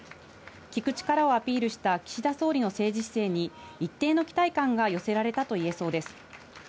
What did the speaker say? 聞く力をアピールした岸田総理の政治姿勢に一定の期待感が寄せられたといえそうです。